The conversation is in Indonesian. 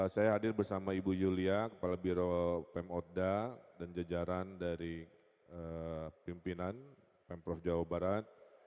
saya hadir bersama ibu yulia kepala biro pem otda dan jajaran dari pimpinan pemprov jawa barat